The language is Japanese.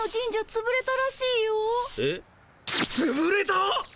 つぶれた！？